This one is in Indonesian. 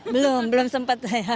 belum belum sempat